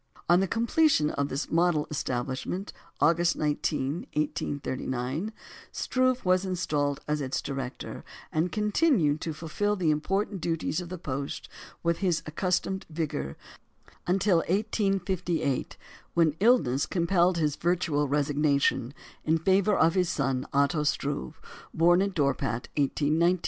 On the completion of this model establishment, August 19, 1839, Struve was installed as its director, and continued to fulfil the important duties of the post with his accustomed vigour until 1858, when illness compelled his virtual resignation in favour of his son Otto Struve, born at Dorpat in 1819.